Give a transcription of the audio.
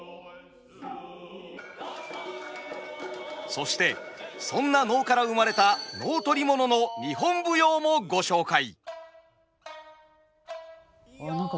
そしてそんな能から生まれた「能取り物」の日本舞踊もご紹介。